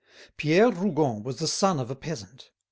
Pierre Rougon was the son of a peasant.